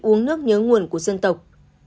uống nước nhớ nguồn của dân tộc